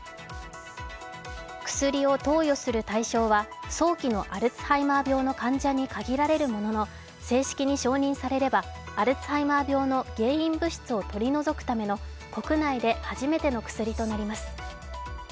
薬を投与する対象は早期のアルツハイマー病の患者に限られるものの正式に承認されれば、アルツハイマー病の原因物質を取り除くための国内で初めての薬となります。